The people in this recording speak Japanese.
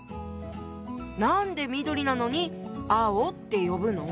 何で緑なのに青って呼ぶの？